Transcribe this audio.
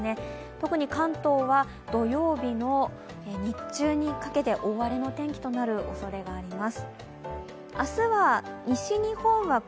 特に関東は土曜日の日中にかけて大荒れの天気となるおそれがあります。